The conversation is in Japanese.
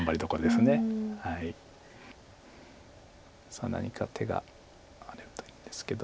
さあ何か手があるといいんですけど。